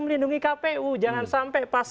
melindungi kpu jangan sampai pas